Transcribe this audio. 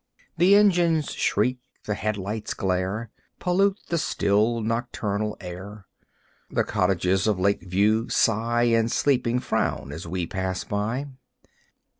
The engine's shriek, the headlight's glare, Pollute the still nocturnal air. The cottages of Lake View sigh And sleeping, frown as we pass by.